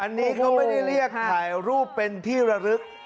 อันนี้เขาไม่ได้เรียกถ่ายรูปเป็นที่ระลึก